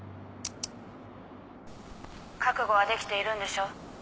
「覚悟はできているんでしょ？」